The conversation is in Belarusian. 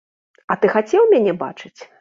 А ты хацеў мяне бачыць?